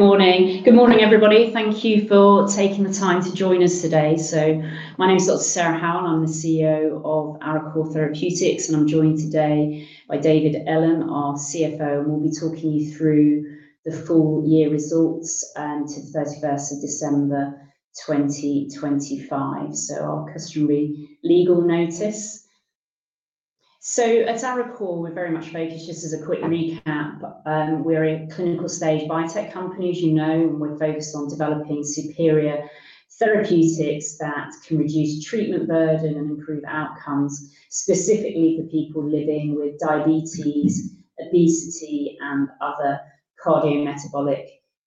Good morning. Good morning, everybody. Thank you for taking the time to join us today. My name is Dr. Sarah Howell, I'm the CEO of Arecor Therapeutics, and I'm joined today by David Ellam, our CFO, and we'll be talking you through the full year results to the 31st of December 2025. Our customary legal notice. At Arecor, we're very much focused, just as a quick recap, we're a clinical stage biotech company, as you know, and we're focused on developing superior therapeutics that can reduce treatment burden and improve outcomes specifically for people living with diabetes, obesity, and other cardiometabolic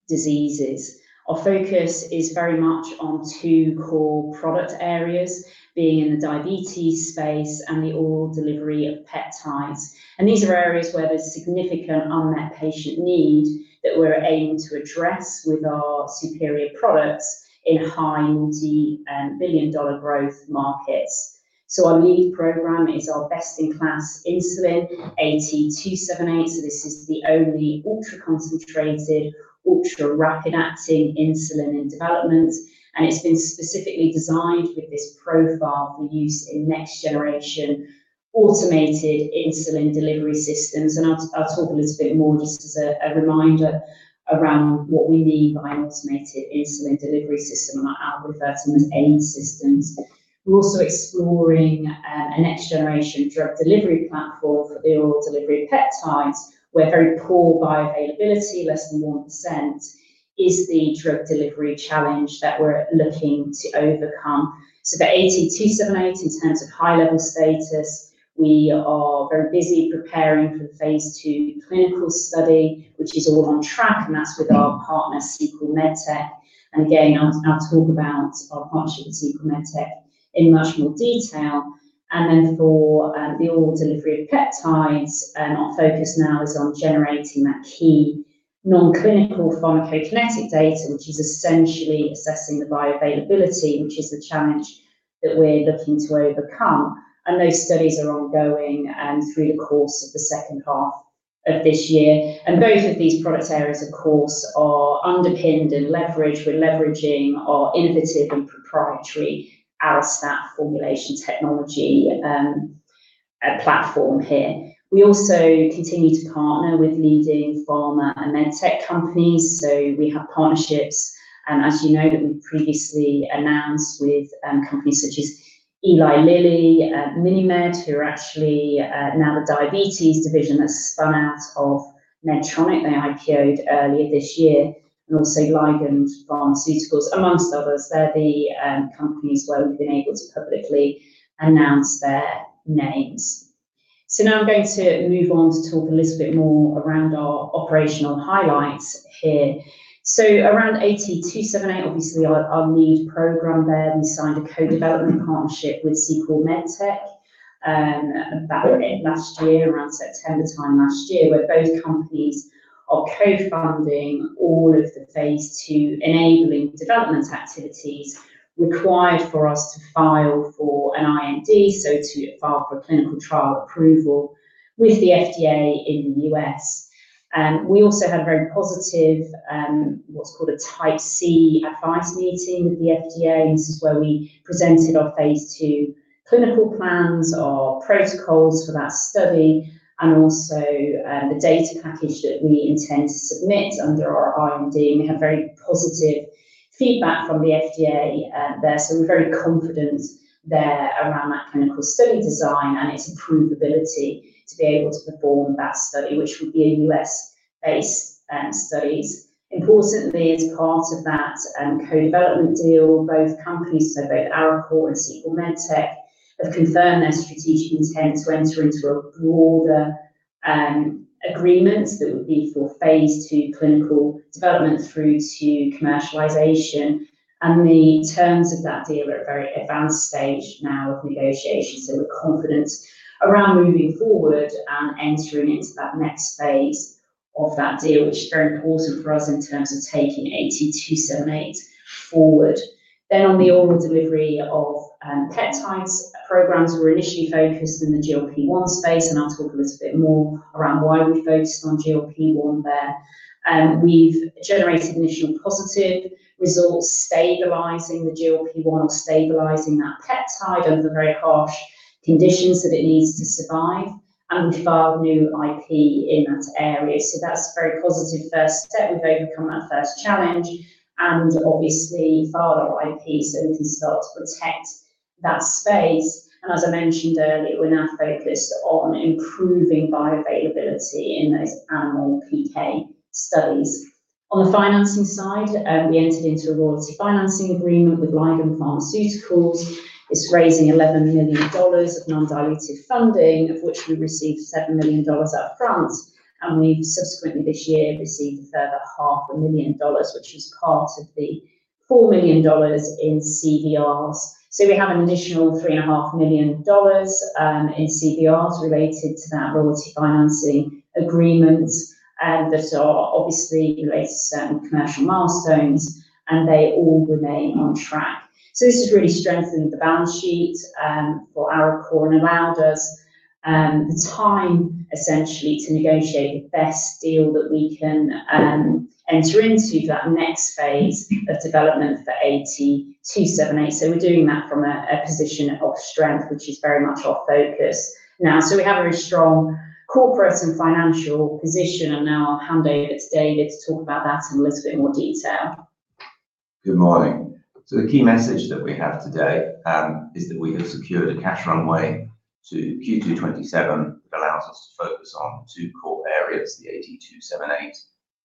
diseases. Our focus is very much on two core product areas, being in the diabetes space and the oral delivery of peptides. These are areas where there's significant unmet patient needs that we're aiming to address with our superior products in high multi-billion-dollar growth markets. Our lead program is our best-in-class insulin, AT278. This is the only ultra-concentrated, ultra-rapid-acting insulin in development, and it's been specifically designed with this profile for use in next generation automated insulin delivery systems. I'll talk a little bit more just as a reminder around what we mean by an automated insulin delivery system, and I'll refer to them as AID systems. We're also exploring a next generation drug delivery platform for the oral delivery of peptides, where very poor bioavailability, less than 1%, is the drug delivery challenge that we're looking to overcome. For AT278, in terms of high-level status, we are very busy preparing for the phase II clinical study, which is all on track, and that's with our partner, Sequel Med Tech. Again, I'll talk about our partnership with Sequel Med Tech in much more detail. Then for the oral delivery of peptides, our focus now is on generating that key non-clinical pharmacokinetic data, which is essentially assessing the bioavailability, which is the challenge that we're looking to overcome. Those studies are ongoing and through the course of the second half of this year. Both of these product areas, of course, are underpinned and leveraged. We're leveraging our innovative and proprietary Arestat formulation technology platform here. We also continue to partner with leading pharma and medtech companies. We have partnerships, as you know, that we've previously announced with companies such as Eli Lilly, MiniMed, who are actually now the diabetes division that spun out of Medtronic. They IPO'd earlier this year. Also Ligand Pharmaceuticals, among others. They're the companies where we've been able to publicly announce their names. Now I'm going to move on to talk a little bit more around our operational highlights here. Around AT278, obviously our lead program there, we signed a co-development partnership with Sequel Med Tech about last year, around September time last year, where both companies are co-funding all of the phase II-enabling development activities required for us to file for an IND, so to file for clinical trial approval with the FDA in the U.S. We also had a very positive, what's called a Type C advice meeting with the FDA, and this is where we presented our phase II clinical plans, our protocols for that study, and also the data package that we intend to submit under our IND. We had very positive feedback from the FDA there, so we're very confident there around that clinical study design and its provability to be able to perform that study, which will be a U.S.-based studies. Importantly, as part of that co-development deal, both companies, so both Arecor and Sequel Med Tech, have confirmed their strategic intent to enter into a broader agreement that would be for phase II clinical development through to commercialization. The terms of that deal are at a very advanced stage now of negotiation. We're confident around moving forward and entering into that next phase of that deal, which is very important for us in terms of taking AT278 forward. On the oral delivery of peptides programs, we're initially focused in the GLP-1 space, and I'll talk a little bit more around why we've focused on GLP-1 there. We've generated initial positive results stabilizing the GLP-1 or stabilizing that peptide under the very harsh conditions that it needs to survive and to have new IP in that area. That's a very positive first step. We've overcome that first challenge and obviously filed our IP so we can start to protect that space. As I mentioned earlier, we're now focused on improving bioavailability in those animal PK studies. On the financing side, we entered into a royalty financing agreement with Ligand Pharmaceuticals. It's raising $11 million of non-diluted funding, of which we received $7 million up front. We've subsequently this year received a further $500,000, which is part of the $4 million in CDRs. We have an additional $3.5 million in CDRs related to that royalty financing agreement that are obviously related to certain commercial milestones. They all remain on track. This has really strengthened the balance sheet for Arecor and allowed us the time, essentially, to negotiate the best deal that we can enter into that next phase of development for AT278. We're doing that from a position of strength, which is very much our focus now. We have a very strong corporate and financial position, and now I'll hand over to David to talk about that in a little bit more detail. Good morning. The key message that we have today is that we have secured a cash runway to Q2 2027. It allows us to focus on two core areas, the AT278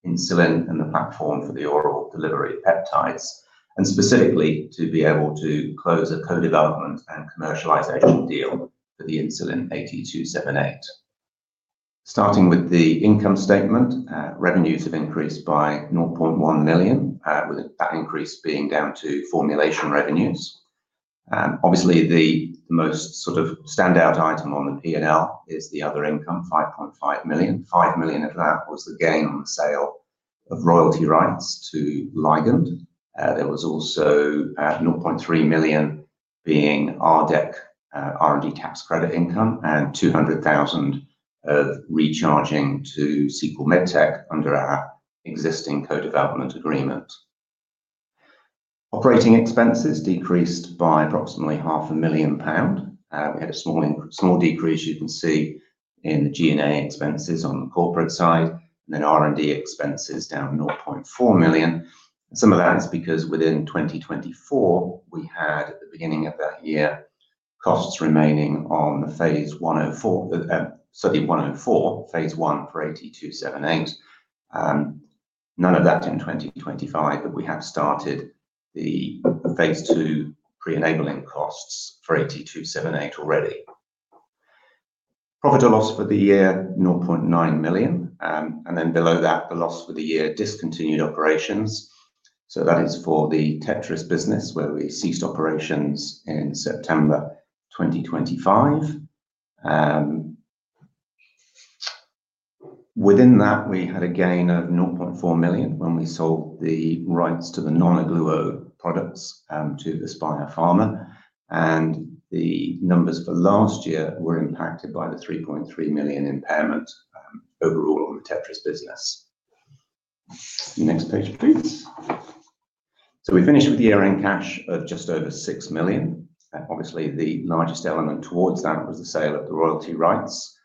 insulin and the platform for the oral delivery of peptides. Specifically, to be able to close a co-development and commercialization deal for the insulin AT278. Starting with the income statement, revenues have increased by 0.1 million, with that increase being down to formulation revenues. Obviously, the most sort of standout item on the P&L is the other income, 5.5 million. 5 million of that was the gain on the sale of royalty rights to Ligand. There was also 0.3 million being RDEC, R&D tax credit income, and 200,000 of recharging to Sequel Med Tech under our existing co-development agreement. Operating expenses decreased by approximately 500,000 pound. We had a small decrease you can see in the G&A expenses on the corporate side, and then R&D expenses down 0.4 million. Some of that is because within 2024, we had, at the beginning of that year, costs remaining on the ARE-278-104, phase I for AT278. None of that in 2025, but we have started the phase II pre-enabling costs for AT278 already. Profit or loss for the year, 0.9 million. Then below that, the loss for the year discontinued operations. That is for the Tetris business where we ceased operations in September 2025. Within that, we had a gain of 0.4 million when we sold the rights to the non-Ogluo products to Aspire Pharma. The numbers for last year were impacted by the 3.3 million impairment overall on the Tetris business. Next page, please. We finished with the year-end cash of just over 6 million. Obviously, the largest element towards that was the sale of the royalty rights,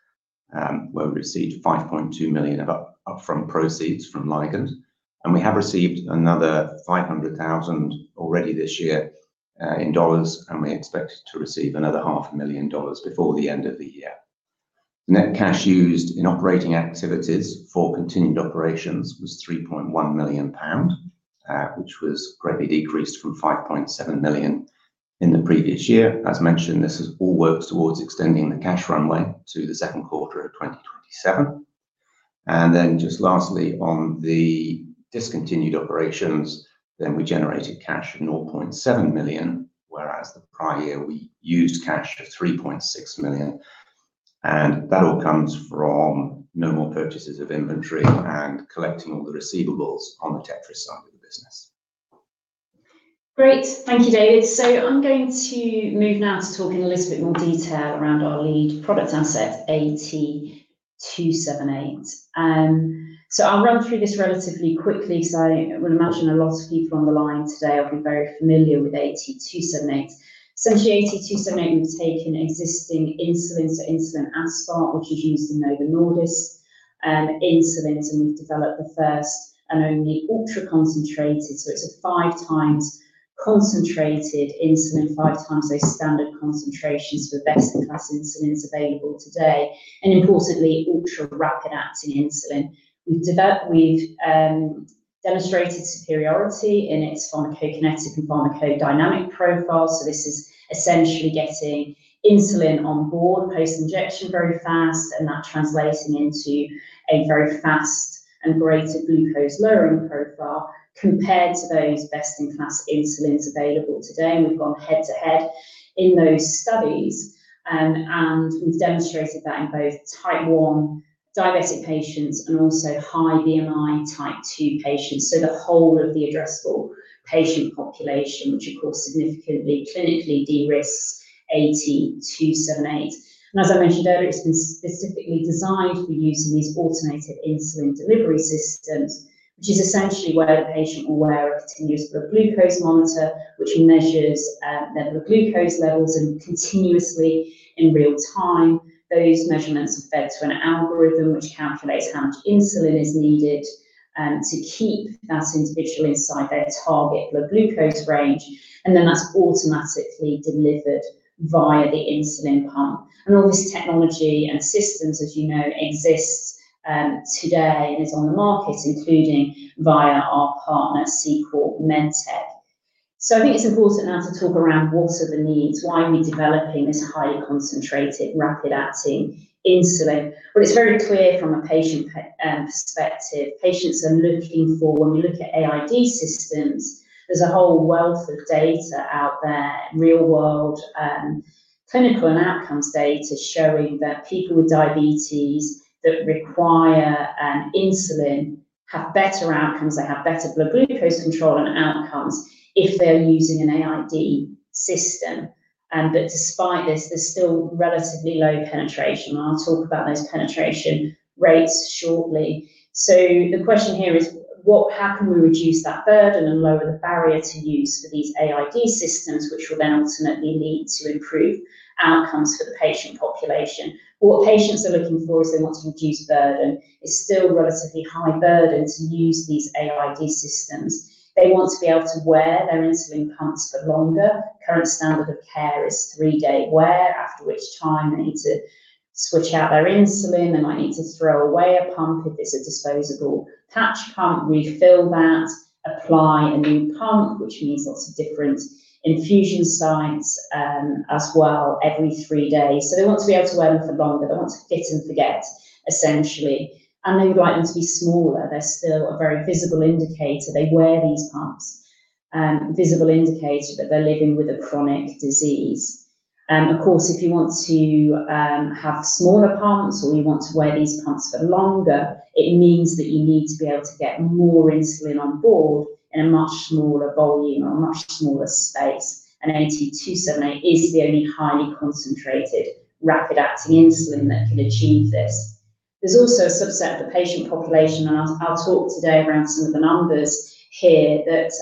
where we received 5.2 million of upfront proceeds from Ligand. We have received another $500,000 already this year, and we expect to receive another $500,000 before the end of the year. The net cash used in operating activities for continued operations was 3.1 million pound, which was greatly decreased from 5.7 million in the previous year. As mentioned, this all works towards extending the cash runway to the second quarter of 2027. Just lastly on the discontinued operations, we generated cash of 0.7 million, whereas the prior year we used cash to 3.6 million, and that all comes from no more purchases of inventory and collecting all the receivables on the Tetris side of the business. Great. Thank you, David. I'm going to move now to talk in a little bit more detail around our lead product asset, AT278. I'll run through this relatively quickly because I would imagine a lot of people on the line today will be very familiar with AT278. Essentially, AT278, we've taken existing insulin, so insulin aspart, which is used in Novo Nordisk insulin, and we've developed the first and only ultra-concentrated, so it's a 5x concentrated insulin, 5x those standard concentrations for best-in-class insulins available today. And importantly, ultra rapid-acting insulin. We've demonstrated superiority in its pharmacokinetic and pharmacodynamic profile. This is essentially getting insulin on board post-injection very fast, and that translating into a very fast and greater glucose-lowering profile compared to those best-in-class insulins available today. We've gone head-to-head in those studies, and we've demonstrated that in both Type 1 diabetic patients and also high BMI Type 2 patients. The whole of the addressable patient population, which of course, significantly clinically de-risks AT278. As I mentioned earlier, it's been specifically designed for use in these automated insulin delivery systems, which is essentially where a patient will wear a continuous blood glucose monitor, which measures their blood glucose levels and continuously in real time, those measurements fed to an algorithm which calculates how much insulin is needed to keep that individual inside their target blood glucose range. Then that's automatically delivered via the insulin pump. All this technology and systems, as you know, exists today and is on the market, including via our partner, Sequel Med Tech. I think it's important now to talk around what are the needs, why are we developing this highly concentrated, rapid-acting insulin? Well, it's very clear from a patient perspective, patients are looking for. When we look at AID systems, there's a whole world of data out there, real-world, clinical, and outcomes data showing that people with diabetes that require insulin have better outcomes. They have better blood glucose control and outcomes if they're using an AID system. Despite this, there's still relatively low penetration. I'll talk about those penetration rates shortly. The question here is how can we reduce that burden and lower the barrier to use for these AID systems, which will then ultimately lead to improved outcomes for the patient population? What patients are looking for is they want to reduce burden. It's still relatively high burden to use these AID systems. They want to be able to wear their insulin pumps for longer. Current standard of care is three-day wear, after which time they need to switch out their insulin. They might need to throw away a pump if it's a disposable patch pump, refill that, apply a new pump, which means lots of different infusion sites as well every three days. They want to be able to wear them for longer. They want to fit and forget, essentially. They would like them to be smaller. They're still a very visible indicator. They wear these pumps. A visible indicator that they're living with a chronic disease. Of course, if you want to have smaller pumps or you want to wear these pumps for longer, it means that you need to be able to get more insulin on board in a much smaller volume or a much smaller space. AT278 is the only highly concentrated, rapid-acting insulin that can achieve this. There's also a subset of the patient population, and I'll talk today around some of the numbers here, that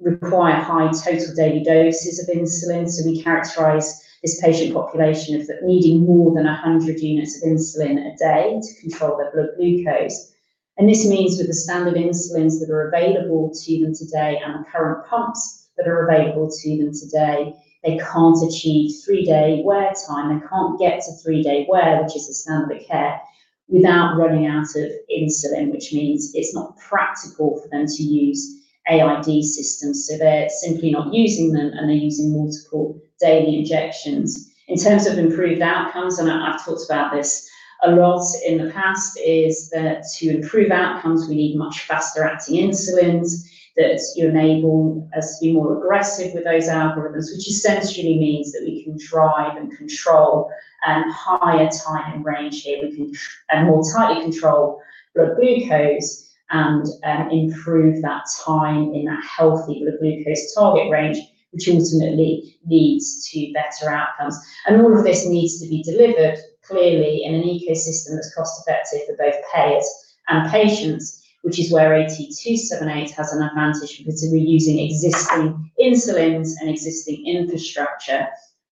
require high total daily doses of insulin. We characterize this patient population as needing more than 100 units of insulin a day to control their blood glucose. This means with the standard insulins that are available to them today and the current pumps that are available to them today, they can't achieve three-day wear time. They can't get to three-day wear, which is the standard of care, without running out of insulin, which means it's not practical for them to use AID systems. They're simply not using them, and they're using multiple daily injections. In terms of improved outcomes, and I've talked about this a lot in the past, is that to improve outcomes, we need much faster-acting insulins that enable us to be more aggressive with those algorithms, which essentially means that we can drive and control higher time and range here. We can more tightly control blood glucose and improve that time in that healthy blood glucose target range, which ultimately leads to better outcomes. All of this needs to be delivered clearly in an ecosystem that's cost-effective for both payers and patients, which is where AT278 has an advantage because we're using existing insulins and existing infrastructure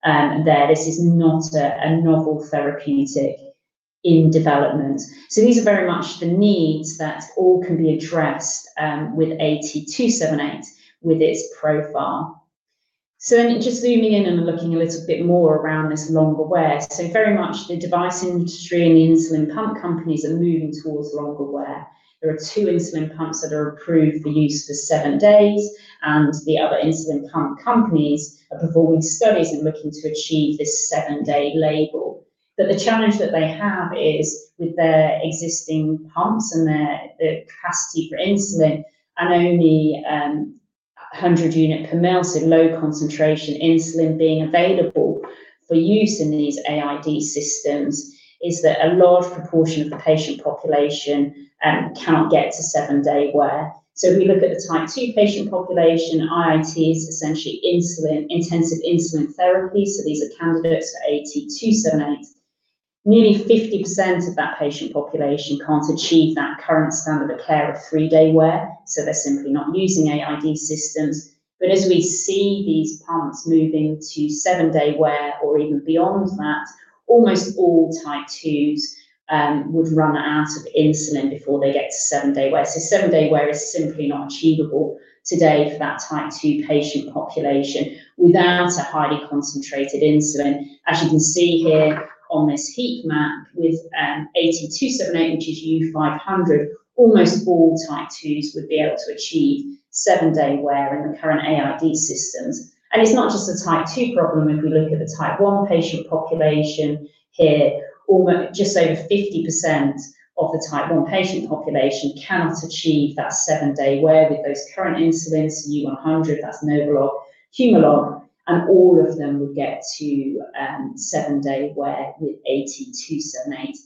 there. This is not a novel therapeutic in development. These are very much the needs that all can be addressed with AT278 with its profile. Just zooming in and looking a little bit more around this longer wear. Very much the device industry and the insulin pump companies are moving towards longer wear. There are two insulin pumps that are approved for use for seve days, and the other insulin pump companies are performing studies and looking to achieve this seven-day label. The challenge that they have is with their existing pumps and the capacity for insulin, and only 100 units per ml, so low concentration insulin being available for use in these AID systems, is that a large proportion of the patient population can't get to seven-day wear. If we look at the Type 2 patient population, IIT is essentially intensive insulin therapy. These are candidates for AT278. Nearly 50% of that patient population can't achieve that current standard of care of three-day wear, so they're simply not using AID systems. As we see these pumps moving to seven-day wear or even beyond that, almost all Type 2s would run out of insulin before they get to seven-day wear. Seven-day wear is simply not achievable today for that Type 2 patient population without a highly concentrated insulin. As you can see here on this heat map with AT278, which is U 500, almost all Type 2s would be able to achieve seven-day wear in the current AID systems. It's not just a Type 2 problem. If we look at the Type 1 patient population here, almost just over 50% of the Type 1 patient population cannot achieve that seven-day wear with those current insulins, U 100, that's NovoLog, Humalog, and all of them would get to seven-day wear with AT278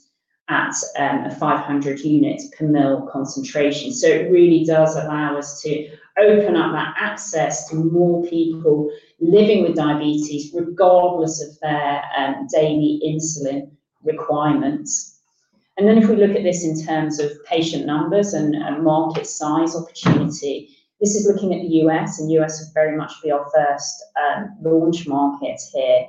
at a 500 units per ml concentration. It really does allow us to open up that access to more people living with diabetes, regardless of their daily insulin requirements. Then if we look at this in terms of patient numbers and market size opportunity, this is looking at the U.S., and U.S. would very much be our first launch market here.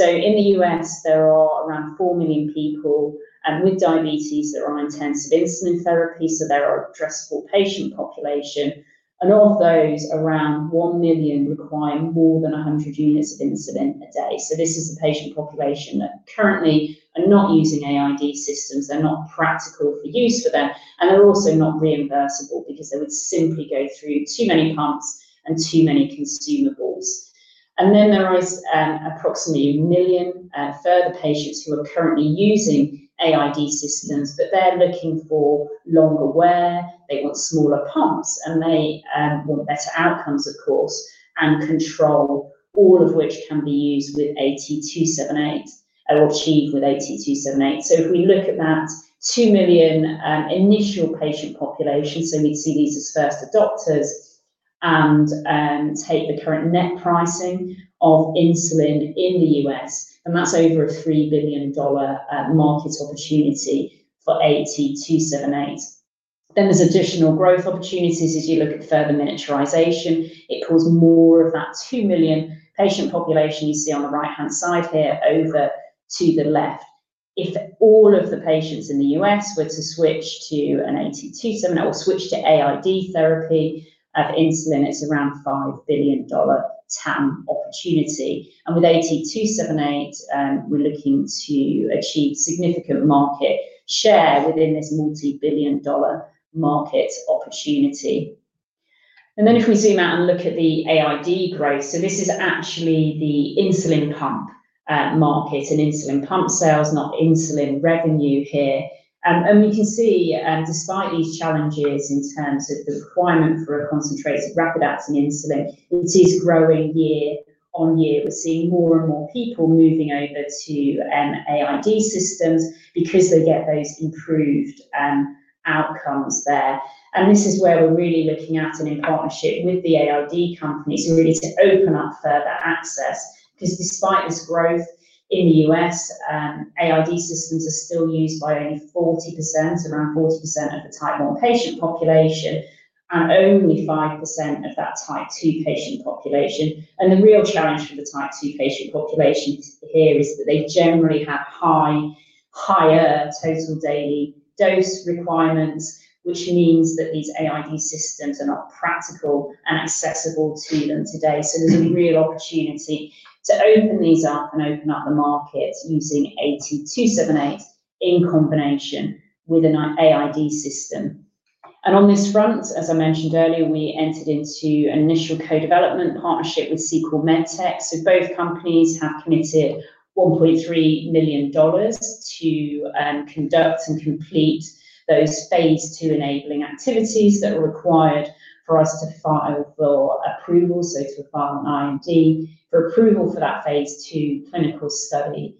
In the U.S., there are around four million people with diabetes that are on intensive insulin therapy, so they're our addressable patient population. Of those, around one million require more than 100 units of insulin a day. This is the patient population that currently are not using AID systems. They're not practical for use for them, and they're also not reimbursable because they would simply go through too many pumps and too many consumables. There is approximately one million further patients who are currently using AID systems, but they're looking for longer wear, they want smaller pumps, and they want better outcomes, of course, and control, all of which can be used with AT278 or achieved with AT278. If we look at that two million initial patient population, we'd see these as first adopters. Take the current net pricing of insulin in the U.S., and that's over a $3 billion market opportunity for AT278. There's additional growth opportunities as you look at further miniaturization. It pulls more of that two million patient population you see on the right-hand side here over to the left. If all of the patients in the U.S. were to switch to an AT278 or switch to AID therapy of insulin, it's around $5 billion TAM opportunity. With AT278, we're looking to achieve significant market share within this multi-billion dollar market opportunity. Then if we zoom out and look at the AID growth, so this is actually the insulin pump market and insulin pump sales, not insulin revenue here. We can see, despite these challenges in terms of the requirement for a concentrated rapid-acting insulin, it is growing year-on-year. We're seeing more and more people moving over to AID systems, because they get those improved outcomes there. This is where we're really looking at in partnership with the AID companies, really to open up further access, because despite this growth in the U.S., AID systems are still used by only 40%, around 40% of the Type 1 patient population and only 5% of that Type 2 patient population. The real challenge for the Type 2 patient population here is that they generally have higher total daily dose requirements, which means that these AID systems are not practical and accessible to them today. There's a real opportunity to open these up and open up the market using AT278 in combination with an AID system. On this front, as I mentioned earlier, we entered into an initial co-development partnership with Sequel Med Tech. Both companies have committed $1.3 million to conduct and complete those phase II-enabling activities that were required for us to file for approval, so to file an IND for approval for that phase II clinical study,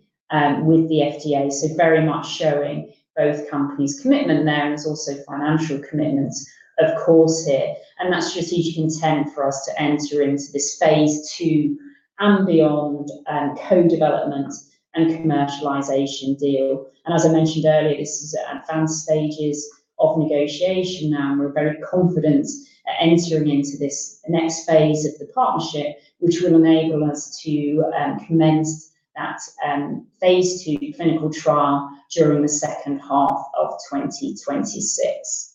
with the FDA. Very much showing both companies' commitment there, and there's also financial commitments, of course, here. That strategic intent for us to enter into this phase II and beyond, co-development and commercialization deal. As I mentioned earlier, this is at advanced stages of negotiation now, and we're very confident at entering into this next phase of the partnership, which will enable us to commence that phase II clinical trial during the second half of 2026.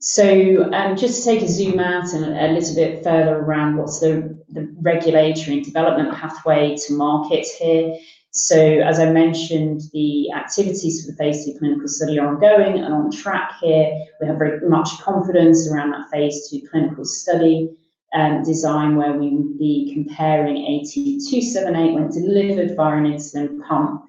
Just to take a zoom out and a little bit further around what's the regulatory and development pathway to market here. As I mentioned, the activities for the phase II clinical study are ongoing and on track here. We have very much confidence around that phase II clinical study design, where we would be comparing AT278 when delivered via an insulin pump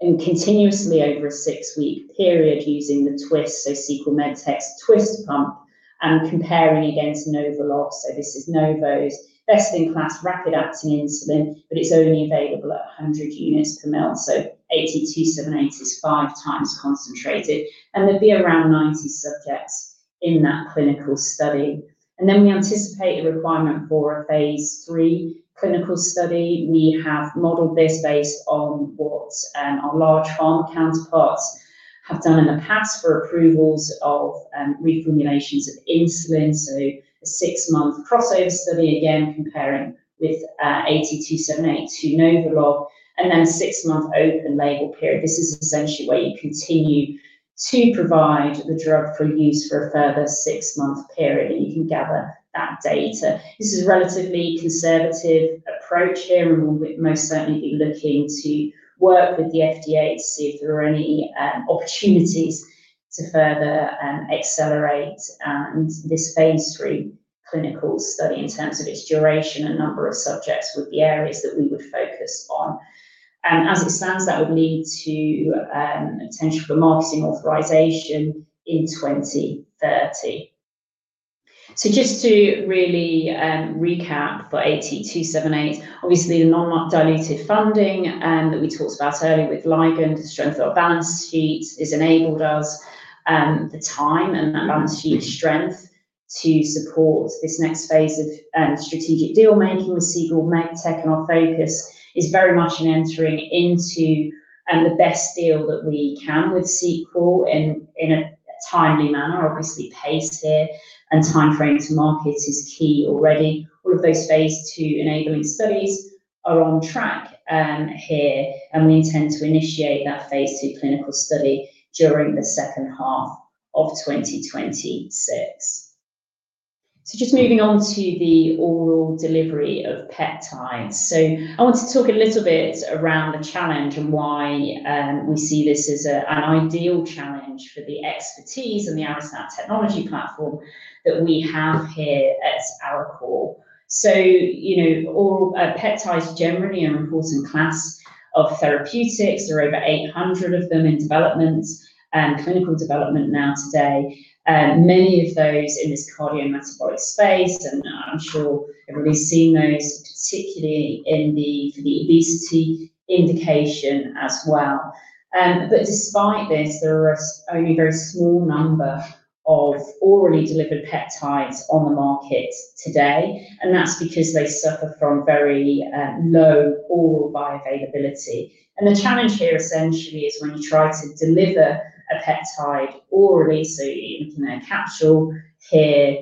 and continuously over a six-week period using the twiist, so Sequel Med Tech's twiist pump, and comparing against NovoLog. This is Novo's best-in-class rapid-acting insulin, but it's only available at 100 units per ml, so AT278 is 5x concentrated. There'd be around 90 subjects in that clinical study. We anticipate a requirement for a phase III clinical study. We have modeled this based on what our large pharma counterparts have done in the past for approvals of reformulation of insulin. A six-month crossover study, again comparing with AT278 to NovoLog, and then a six-month open label period. This is essentially where you continue to provide the drug for use for a further six-month period, and you can gather that data. This is a relatively conservative approach here, and we'll most certainly be looking to work with the FDA to see if there are any opportunities to further accelerate this phase III clinical study in terms of its duration and number of subjects, would be areas that we would focus on. As it stands, that would lead to potential for marketing authorization in 2030. Just to really recap for AT278, obviously the non-diluted funding that we talked about earlier with Ligand to strengthen our balance sheet has enabled us the time and that balance sheet strength to support this next phase of strategic deal making with Sequel Med Tech. Our focus is very much in entering into the best deal that we can with Sequel in a timely manner. Obviously, pace here and timeframe to market is key already. All of those phase II-enabling studies are on track here, and we intend to initiate that phase II clinical study during the second half of 2026. Just moving on to the oral delivery of peptides. I want to talk a little bit around the challenge and why we see this as an ideal challenge for the expertise and the Arestat technology platform that we have here at Arecor. Peptides generally are an important class of therapeutics. There are over 800 of them in development and clinical development now today, and many of those in this cardiometabolic space, and I'm sure everybody's seen those, particularly in the, for the obesity indication as well. Despite this, there are only a very small number of orally delivered peptides on the market today and that's because they suffer from very low oral bioavailability. The challenge here essentially is when you try to deliver a peptide orally, so you're looking at a capsule here,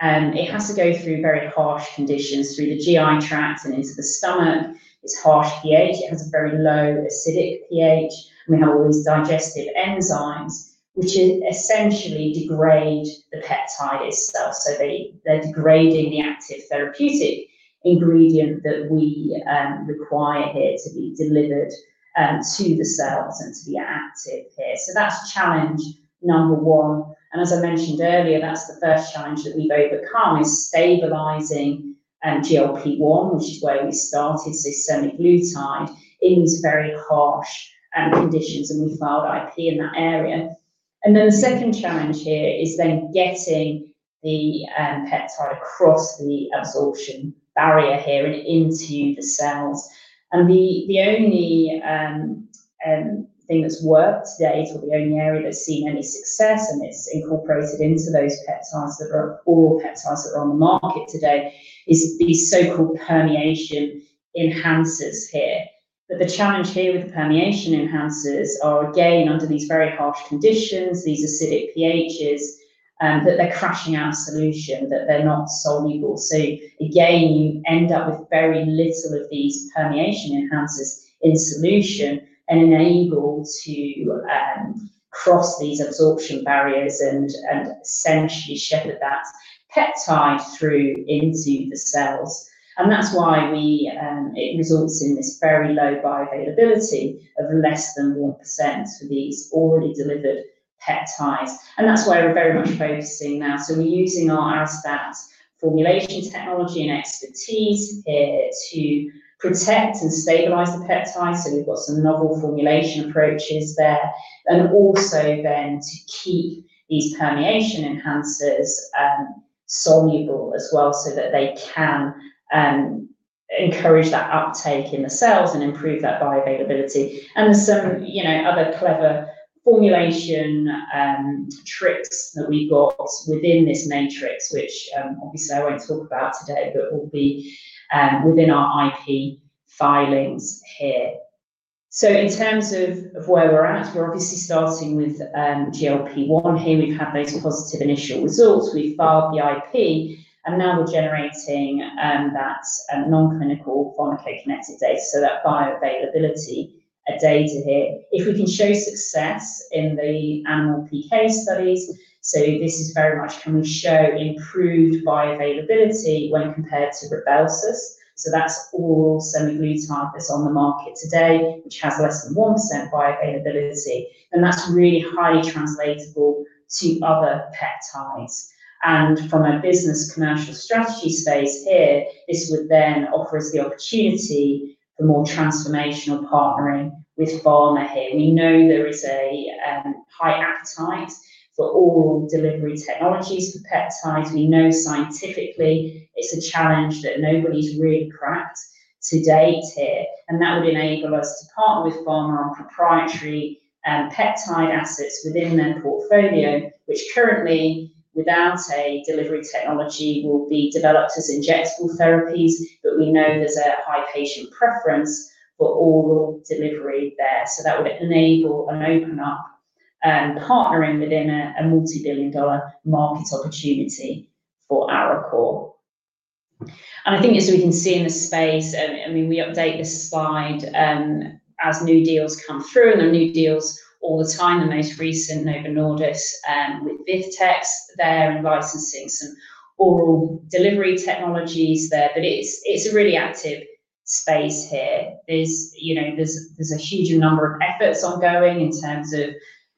and it has to go through very harsh conditions, through the GI tract and into the stomach. It's harsh pH. It has a very low acidic pH. We have all these digestive enzymes which essentially degrade the peptide itself, so they're degrading the active therapeutic ingredient that we require here to be delivered and to the cells and to be active here. That's challenge number one, and as I mentioned earlier, that's the first challenge that we've overcome is stabilizing and GLP-1, which is where we started this semaglutide in these very harsh conditions and we filed IP in that area. The second challenge here is then getting the peptide across the absorption barrier here and into the cells. The only thing that's worked there is, or the only area that's seen any success, and it's incorporated into those peptides that are oral peptides that are on the market today is these so-called permeation enhancers here. The challenge here with the permeation enhancers are, again, under these very harsh conditions, these acidic pHs, that they're crashing out of solution, that they're not soluble. Again, you end up with very little of these permeation enhancers in solution and unable to cross these absorption barriers and essentially shuttle that peptide through into the cells. That's why it results in this very low bioavailability of less than 1% for these orally delivered peptides. That's where we're very much focusing now. We're using our Arestat formulation technology and expertise here to protect and stabilize the peptide. We've got some novel formulation approaches there. Also then to keep these permeation enhancers soluble as well so that they can encourage that uptake in the cells and improve that bioavailability. There's some other clever formulation tricks that we've got within this matrix which, obviously, I won't talk about today, but will be within our IP filings here. In terms of where we're at, we're obviously starting with GLP-1 here. We've had those positive initial results. We've filed the IP, and now we're generating that non-clinical pharmacokinetic data. That bioavailability data here. If we can show success in the animal PK studies, this is very much can we show improved bioavailability when compared to Rybelsus. That's oral semaglutide that's on the market today, which has less than 1% bioavailability. That's really highly translatable to other peptides. From a business commercial strategy space here, this would then offer us the opportunity for more transformational partnering with pharma here. We know there is a high appetite for oral delivery technologies for peptides. We know scientifically it's a challenge that nobody's really cracked to date here, and that would enable us to partner with pharma on proprietary peptide assets within their portfolio, which currently, without a delivery technology, will be developed as injectable therapies. We know there's a high patient preference for oral delivery there. That would enable and open up partnering within a multi-billion-dollar market opportunity for Arecor. I think as we can see in this space, and we update this slide as new deals come through, and there are new deals all the time, the most recent Novo Nordisk with Vivtex there and licensing some oral delivery technologies there. It's a really active space here. There's a huge number of efforts ongoing in terms of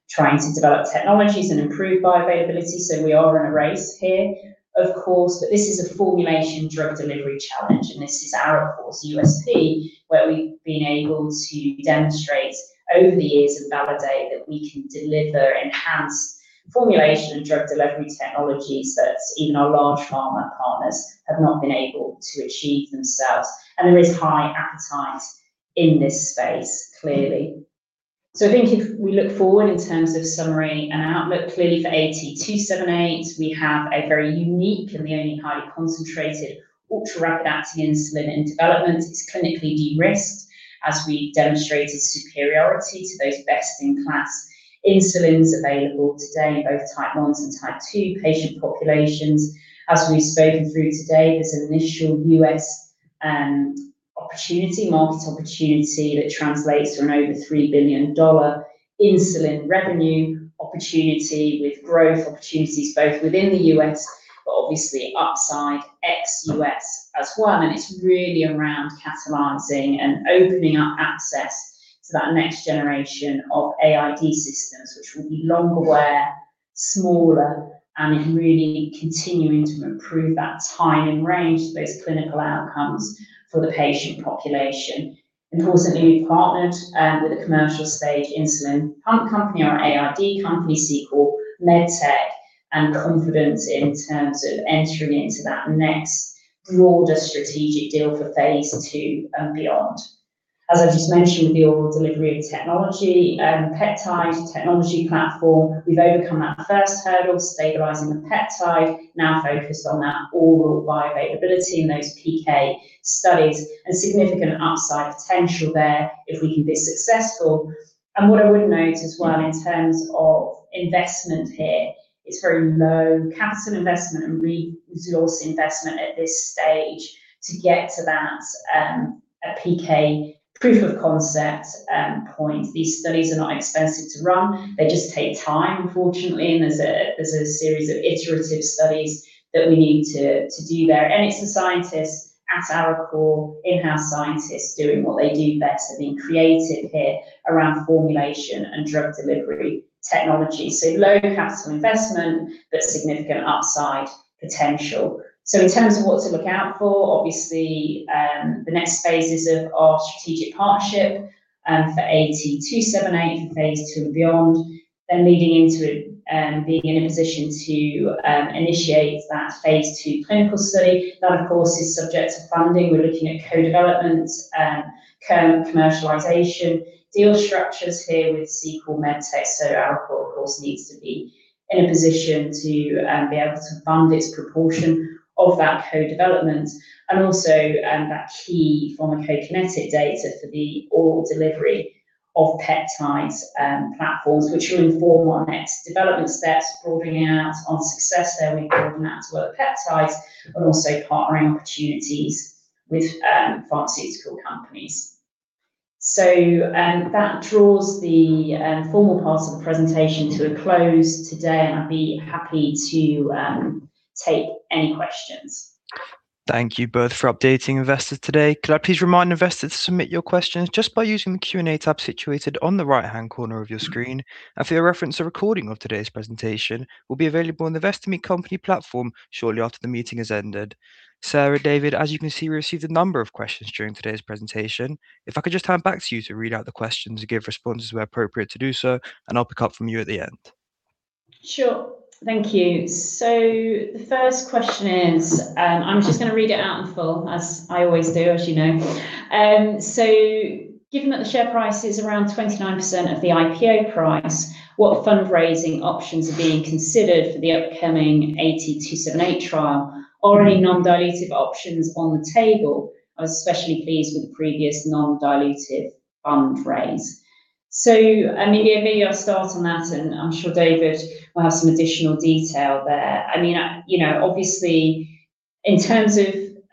trying to develop technologies and improve bioavailability. We are in a race here, of course, but this is a formulation drug delivery challenge, and this is Arecor's USP, where we've been able to demonstrate over the years and validate that we can deliver enhanced formulation and drug delivery technologies that even our large pharma partners have not been able to achieve themselves. There is high appetite in this space, clearly. I think if we look forward in terms of summary and outlook, clearly for AT278, we have a very unique and the only highly concentrated ultra-rapid-acting insulin in development. It's clinically de-risked as we demonstrated superiority to those best-in-class insulins available today in both Type 1 and Type 2 patient populations. As we've spoken through today, there's an initial U.S. opportunity, market opportunity that translates to an over $3 billion insulin revenue opportunity with growth opportunities both within the U.S. but obviously upside ex-U.S. as well. It's really around catalyzing and opening up access to that next generation of AID systems, which will be longer wear, smaller, and really continuing to improve that time and range for those clinical outcomes for the patient population. Of course, we partnered with a commercial stage insulin pump company, our AID company, Sequel Med Tech, and confident in terms of entering into that next broader strategic deal for phase II and beyond. As I just mentioned, with the oral delivery of technology and peptide technology platform, we've overcome that first hurdle, stabilizing the peptide, now focused on that oral bioavailability and those PK studies, and significant upside potential there if we can be successful. What I would note as well, in terms of investment here, it's very low capital investment and resource investment at this stage to get to that, a PK proof of concept point. These studies are not expensive to run. They just take time, unfortunately, and there's a series of iterative studies that we need to do there. It's the scientists at Arecor, in-house scientists, doing what they do best and being creative here around formulation and drug delivery technology. Low capital investment, but significant upside potential. In terms of what to look out for, obviously, the next phases of our strategic partnership and for AT278 for phase II and beyond, then leading into it, being in a position to initiate that phase II clinical study. That, of course, is subject to funding. We're looking at co-development, current commercialization. Deal structures here with Sequel Med Tech, so Arecor of course needs to be in a position to be able to fund its proportion of that co-development and also that key pharmacokinetic data for the oral delivery of peptides platforms, which will inform our next development steps. Broadening out on success there, we build them out to other peptides and also partnering opportunities with pharmaceutical companies. That draws the formal part of the presentation to a close today, and I'd be happy to take any questions. Thank you both for updating investors today. Could I please remind investors to submit your questions just by using the Q&A tab situated on the right-hand corner of your screen? For your reference, a recording of today's presentation will be available on the Investor Meet Company company platform shortly after the meeting has ended. Sarah, David, as you can see, we received a number of questions during today's presentation. If I could just hand back to you to read out the questions and give responses where appropriate to do so, and I'll pick up from you at the end. Sure. Thank you. The first question is. I'm just going to read it out in full, as I always do, as you know. Given that the share price is around 29% of the IPO price, what fundraising options are being considered for the upcoming AT278 trial? Are any non-dilutive options on the table? I was especially pleased with the previous non-dilutive fund raise. Maybe I'll start on that, and I'm sure David will have some additional detail there. Obviously, in terms of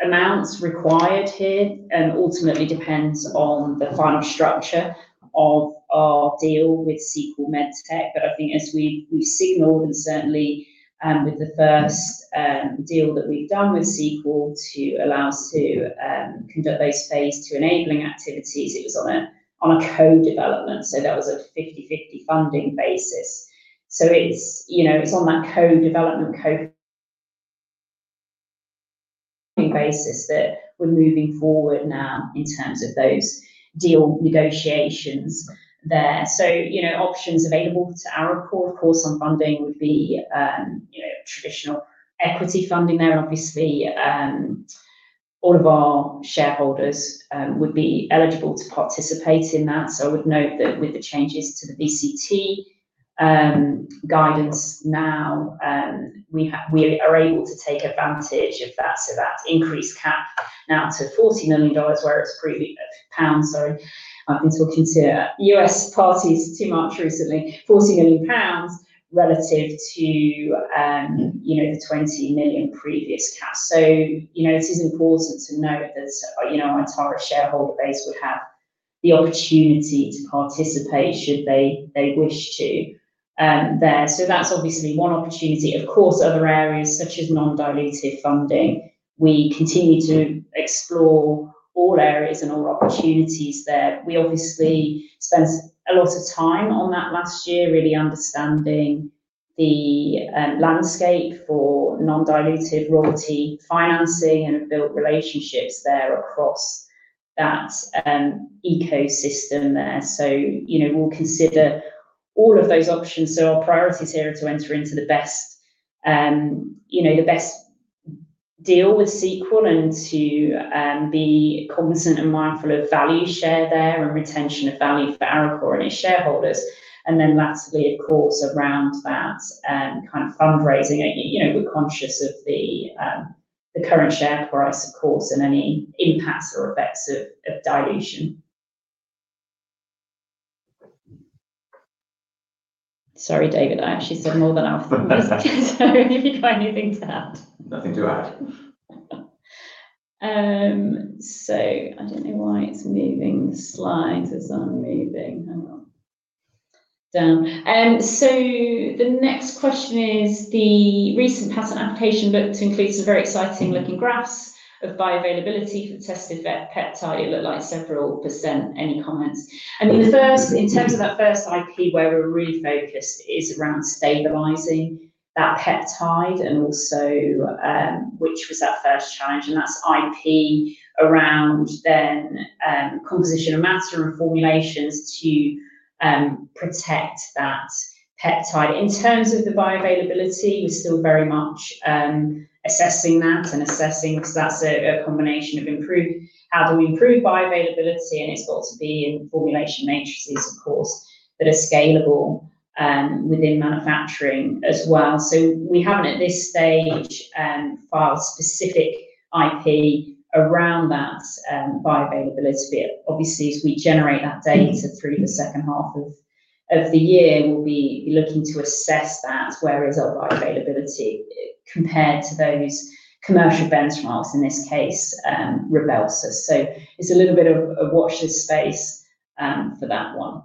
amounts required here, ultimately depends on the final structure of our deal with Sequel Med Tech. I think as we've signaled, and certainly with the first deal that we've done with Sequel to allow us to conduct those phase II-enabling activities, it was on a co-development, so that was a 50/50 funding basis. It's on that co-development code basis that we're moving forward now in terms of those deal negotiations there. Options available to Arecor, of course, on funding would be traditional equity funding there. Obviously, all of our shareholders would be eligible to participate in that. I would note that with the changes to the VCT guidance, now we are able to take advantage of that. That increased cap now to GBP 40 million, where it's previously pounds, sorry. I've been talking to U.S. parties too much recently. 40 million pounds relative to the 20 million previous cap. It is important to note that our entire shareholder base would have the opportunity to participate should they wish to there. That's obviously one opportunity. Of course, other areas such as non-dilutive funding, we continue to explore all areas and all opportunities there. We obviously spent a lot of time on that last year, really understanding the landscape for non-dilutive royalty financing and have built relationships there across that ecosystem there. We'll consider all of those options. Our priorities here are to enter into the best deal with Sequel and to be cognizant and mindful of value share there and retention of value for Arecor and its shareholders. Lastly, of course, around that kind of fundraising, we're conscious of the current share price, of course, and any impacts or effects of dilution. Sorry, David, I actually said more than enough. If you've got anything to add. Nothing to add. I don't know why it's moving the slides as I'm moving. Done. The next question is, the recent patent application looked to include some very exciting looking graphs of bioavailability for the tested peptide. It looked like several %. Any comments? I mean, in terms of that first IP, where we're really focused is around stabilizing that peptide and also which was our first challenge, and that's IP around the composition amounts or formulations to protect that peptide. In terms of the bioavailability, we're still very much assessing that, because that's a combination of how do we improve bioavailability, and it's got to be in formulation matrices, of course, that are scalable within manufacturing as well. We haven't at this stage filed specific IP around that bioavailability, but obviously, as we generate that data through the second half of the year, we'll be looking to assess that, where is our bioavailability compared to those commercial benchmarks, in this case, Rybelsus. It's a little bit of a watch this space for that one.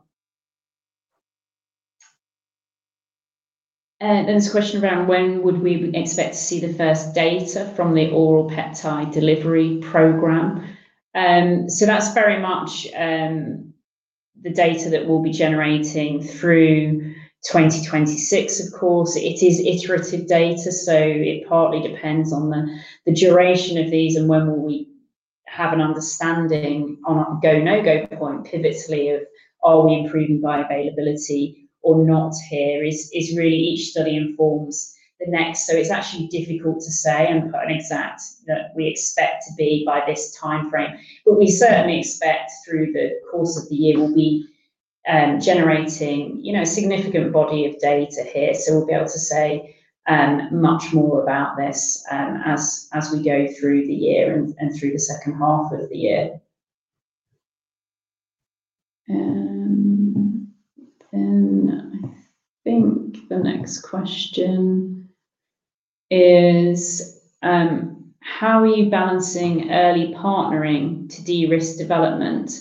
Then there's a question around when would we expect to see the first data from the oral peptide delivery program. That's very much the data that we'll be generating through 2026, of course. It is iterative data, so it partly depends on the duration of these and when will we have an understanding on a go, no go point pivotally of are we improving bioavailability or not here, is really each study informs the next. It's actually difficult to say and put an exact that we expect to be by this timeframe. We certainly expect through the course of the year, we'll be generating significant body of data here, so we'll be able to say much more about this as we go through the year and through the second half of the year. Then I think the next question is, how are you balancing early partnering to de-risk development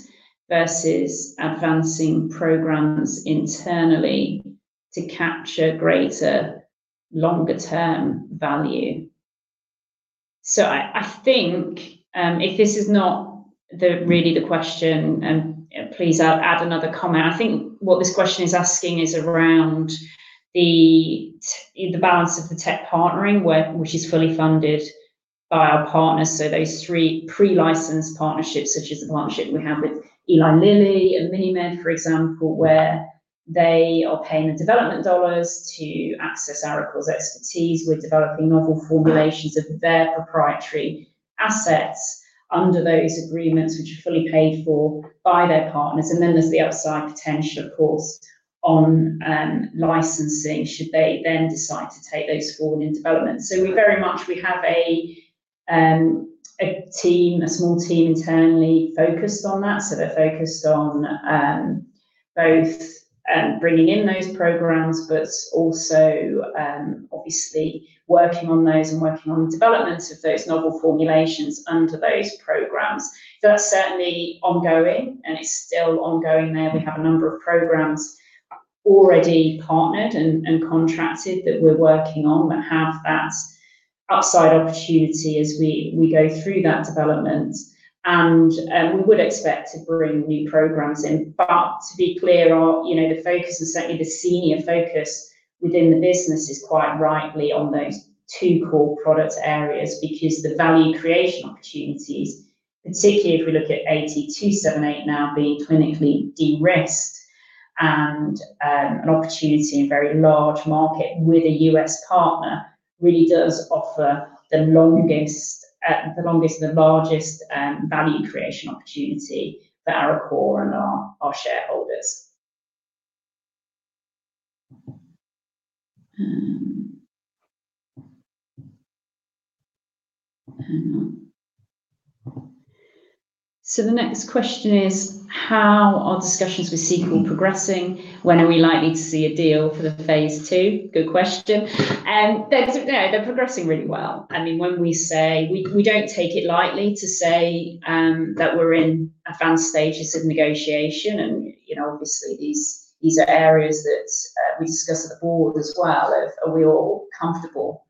versus advancing programs internally to capture greater longer-term value? I think if this is not really the question, then please add another comment. I think what this question is asking is around the balance of the tech partnering, which is fully funded by our partners. Those three pre-licensed partnerships, such as the partnership we have with Eli Lilly and MiniMed, for example, where they are paying the development dollars to access Arecor's expertise with developing novel formulations of their proprietary assets under those agreements, which are fully paid for by their partners. Then there's the upside potential, of course, on licensing, should they then decide to take those forward in development. We very much have a small team internally focused on that. They're focused on both bringing in those programs but also obviously working on those and working on the development of those novel formulations under those programs. That's certainly ongoing, and it's still ongoing there. We have a number of programs already partnered and contracted that we're working on that have that upside opportunity as we go through that development, and we would expect to bring new programs in. To be clear, the focus and certainly the senior focus within the business is quite rightly on those two core product areas because the value creation opportunities, particularly if we look at AT278 now being clinically de-risked and an opportunity in a very large market with a U.S. partner, really does offer the longest and the largest value creation opportunity for Arecor and our shareholders. Hang on. The next question is, how are discussions with Sequel progressing? When are we likely to see a deal for the phase II? Good question. They're progressing really well. We don't take it lightly to say that we're in advanced stages of negotiation and obviously these are areas that we discuss at the board as well. Are we all comfortable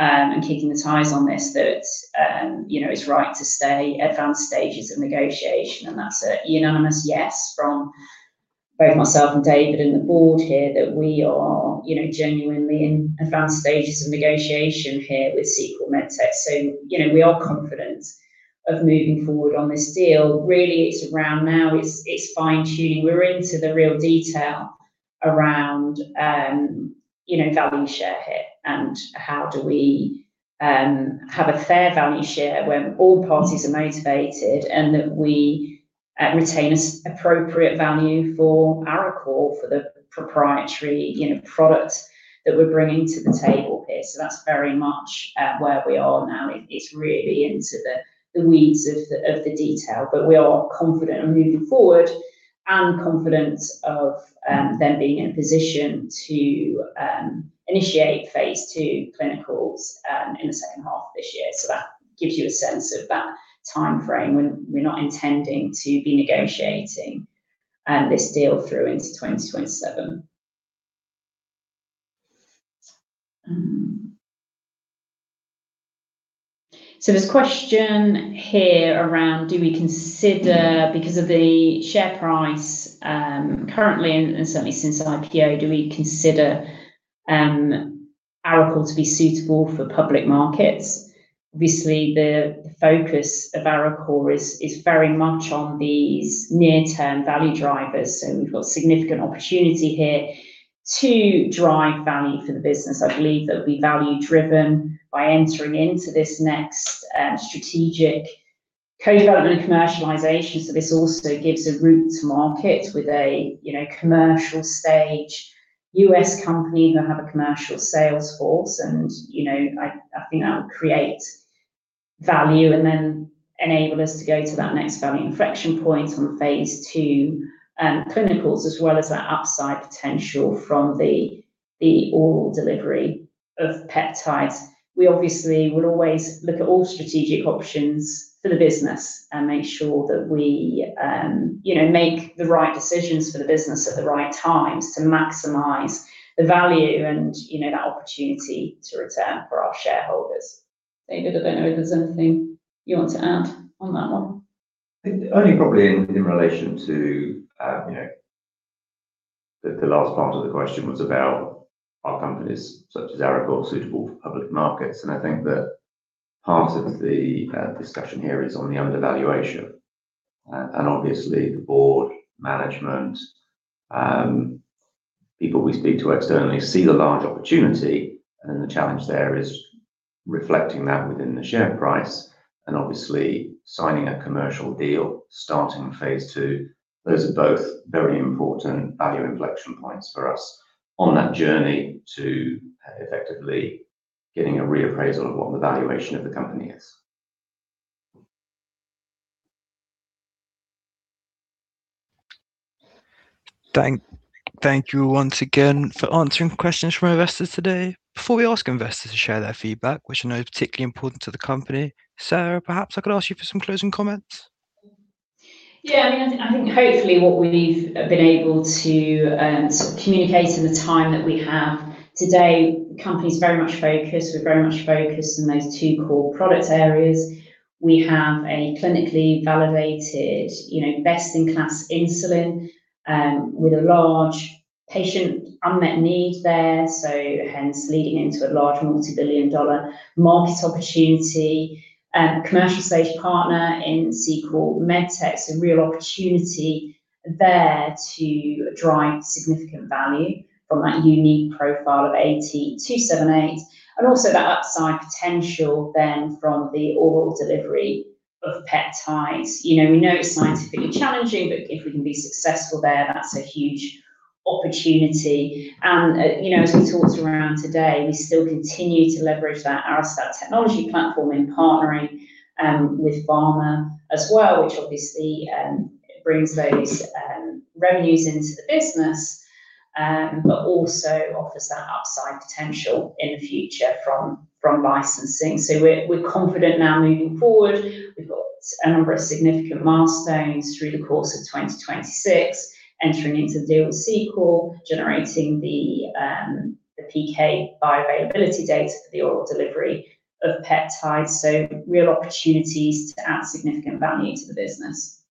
in keeping the ties on this, that it's right to stay advanced stages of negotiation? That's a unanimous yes from both myself and David and the board here that we are genuinely in advanced stages of negotiation here with Sequel Med Tech. We are confident of moving forward on this deal. Really, it's around now it's fine-tuning. We're into the real detail around value share here and how do we have a fair value share where all parties are motivated and that we retain appropriate value for Arecor for the proprietary product that we're bringing to the table here. That's very much where we are now. It's really into the weeds of the detail, but we are confident of moving forward and confident of them being in a position to initiate phase II clinicals in the second half of this year. That gives you a sense of that timeframe. We're not intending to be negotiating this deal through into 2027. There's a question here around, do we consider, because of the share price currently and certainly since the IPO, do we consider Arecor to be suitable for public markets? Obviously, the focus of Arecor is very much on these near-term value drivers. We've got significant opportunity here to drive value for the business. I believe that we'll be value-driven by entering into this next strategic co-development and commercialization. This also gives a route to market with a commercial-stage U.S. company who have a commercial sales force. I think that would create value and then enable us to go to that next value inflection point on phase II clinicals, as well as that upside potential from the oral delivery of peptides. We obviously would always look at all strategic options for the business and make sure that we make the right decisions for the business at the right times to maximize the value and that opportunity to return for our shareholders. David, I don't know if there's anything you want to add on that one. Only probably in relation to, you know, the last part of the question was about are companies such as Arecor suitable for public markets. I think that part of the discussion here is on the undervaluation. Obviously, the board, management, people we speak to externally see the large opportunity. The challenge there is reflecting that within the share price and obviously signing a commercial deal, starting phase II. Those are both very important value inflection points for us on that journey to effectively getting a reappraisal of what the valuation of the company is. Thank you once again for answering questions from our investors today. Before we ask investors to share their feedback, which I know is particularly important to the company, Sarah, perhaps I could ask you for some closing comments. Yeah, I think hopefully what we've been able to communicate in the time that we have today, the company's very much focused. We're very much focused on those two core product areas. We have a clinically validated, best-in-class insulin with a large patient unmet need there, so hence leading into a large multi-billion dollar market opportunity. A commercial stage partner in Sequel Med Tech. So a real opportunity there to drive significant value from that unique profile of AT278, and also that upside potential then from the oral delivery of peptides. We know it's scientifically challenging, but if we can be successful there, that's a huge opportunity. As we talked around today, we still continue to leverage that Arestat technology platform in partnering with pharma as well, which obviously brings those revenues into the business, but also offers that upside potential in the future from licensing. We're confident now moving forward. We've got a number of significant milestones through the course of 2026, entering into the deal with Sequel, generating the PK bioavailability data for the oral delivery of peptides. Real opportunities to add significant value to the business.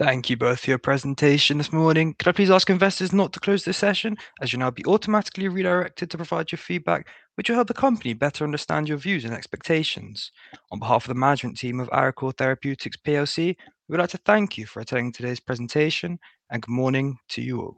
Thank you both for your presentation this morning. Could I please ask investors not to close this session, as you'll now be automatically redirected to provide your feedback, which will help the company better understand your views and expectations. On behalf of the management team of Arecor Therapeutics plc, we would like to thank you for attending today's presentation, and good morning to you all.